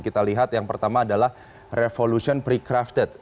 kita lihat yang pertama adalah revolution precrafted